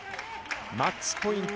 マッチポイント、